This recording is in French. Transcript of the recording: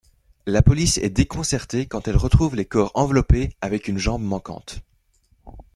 La police est déconcertée quand elle retrouve les corps enveloppés avec une jambe manquante.